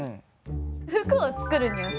服を作るにはさ。